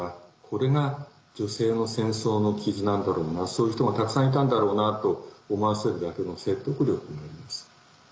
これが女性の戦争の傷なんだろうなそういう人がたくさんいたんだろうなと思わせるだけの説得力があります。